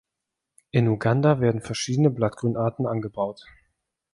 In Uganda werden verschiedene Blattgrünarten angebaut.